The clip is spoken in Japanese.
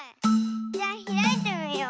じゃひらいてみよう。